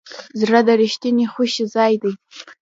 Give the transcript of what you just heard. زړه د رښتینې خوښۍ ځای دی.